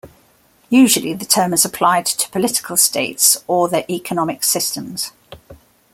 Usually the term is applied to political states or their economic systems.